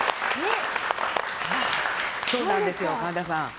そうなんですよ、神田さん。